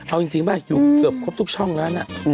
เอาจริงป่ะอยู่เกือบครบทุกช่องแล้วนะ